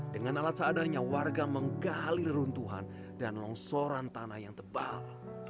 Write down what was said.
dengan alat seadanya warga menggali runtuhan dan longsoran tanah yang tebal